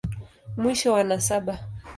Mwisho wa nasaba.